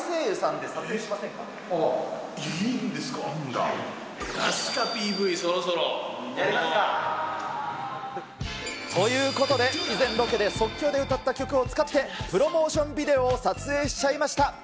やりますか？ということで、以前、ロケで即興で歌った曲を使って、プロモーションビデオを撮影しちゃいました。